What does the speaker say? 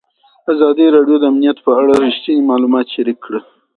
ازادي راډیو د امنیت په اړه رښتیني معلومات شریک کړي.